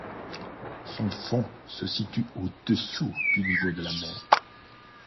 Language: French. Son fond se situe au-dessous du niveau de la mer.